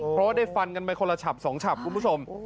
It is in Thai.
เพราะว่าได้ฟันกันไปคนละฉับ๒ฉับคุณผู้ชม